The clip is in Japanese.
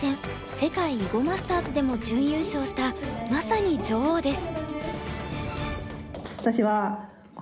世界囲碁マスターズでも準優勝したまさに女王です。